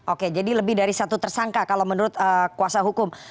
oke jadi lebih dari satu tersangka kalau menurut kuasa hukum